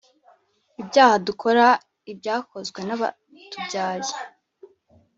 ibyaha dukora ibyakozwe nabatubyaye